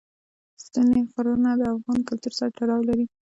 ستوني غرونه د افغان کلتور سره تړاو لري.